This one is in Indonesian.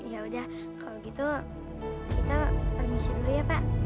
ya udah kalau gitu kita permisi dulu ya pak